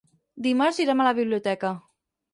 Dimarts irem a la biblioteca.